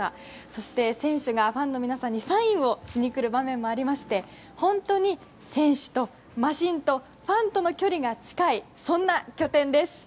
そして、選手がファンの皆さんにサインをしに来る場面もあって本当に選手とマシンとファンとの距離が近いそんな拠点です。